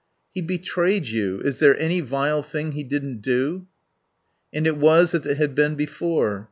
"He betrayed you. Is there any vile thing he didn't do?" And it was as it had been before.